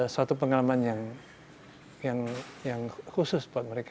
suatu pengalaman yang khusus buat mereka